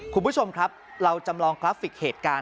คุณผู้ชมครับเราจำลองกราฟิกเหตุการณ์